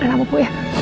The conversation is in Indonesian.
reina bubuk ya